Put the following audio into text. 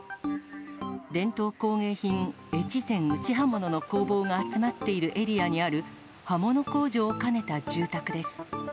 伝統工芸品、越前打刃物の工房が集まっているエリアにある、刃物工場を兼ねた住宅です。